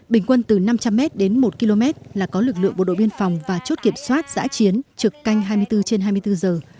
bình quân từ năm trăm linh m đến một km là có lực lượng bộ đội biên phòng và chốt kiểm soát giã chiến trực canh hai mươi bốn trên hai mươi bốn giờ